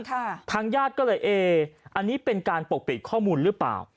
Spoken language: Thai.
ทางญาติก็เลยเออันนี้เป็นการปกปิดข้อมูลหรือเปล่า